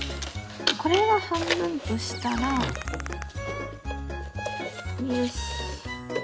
これを半分としたらよし。